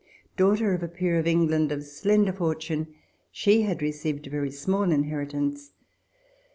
Daughter of a Peer of England of slender fortune, she had received a very small inheritance.